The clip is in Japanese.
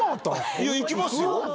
いや行きますよ。